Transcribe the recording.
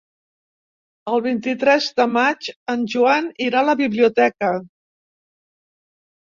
El vint-i-tres de maig en Joan irà a la biblioteca.